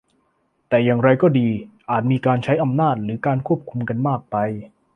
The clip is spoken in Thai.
แต่อย่างไรก็ดีอาจมีการใช้อำนาจหรือการควบคุมกันมากไป